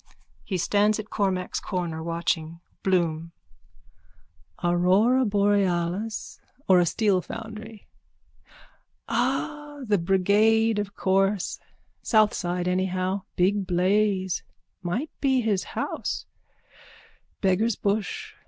(He stands at Cormack's corner, watching.) BLOOM: Aurora borealis or a steel foundry? Ah, the brigade, of course. South side anyhow. Big blaze. Might be his house. Beggar's bush.